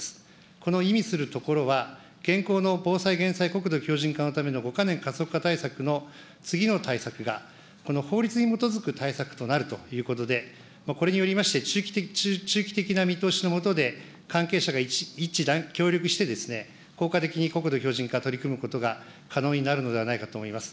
この意味するところは、現行の防災・減災国土強じん化のための５か年加速化対策の次の対策が、この法律に基づく対策となるということで、これによりまして、中期的な見通しのもとで、関係者が一致協力して、効果的に国土強じん化、取り組むことが可能になるのではないかと思います。